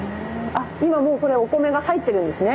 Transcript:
あっ今もうこれお米が入ってるんですね。